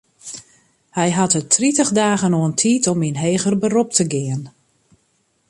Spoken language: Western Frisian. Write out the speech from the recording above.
Hy hat it tritich dagen oan tiid om yn heger berop te gean.